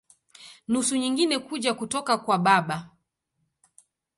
Nusu nyingine kuja kutoka kwa baba.